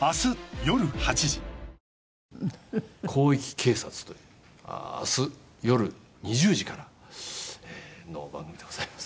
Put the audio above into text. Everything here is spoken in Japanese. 『広域警察』という明日夜２０時からの番組でございます。